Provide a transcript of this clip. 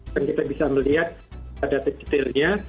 dan kita bisa melihat pada teksturnya